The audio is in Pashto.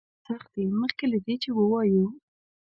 هر څه سخت دي مخکې له دې چې ووایو.